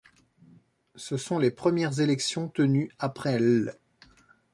Ce sont les premières élections tenues après l'.